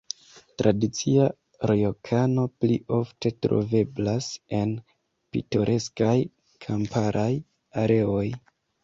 Tradicia rjokano pli ofte troveblas en pitoreskaj kamparaj areoj.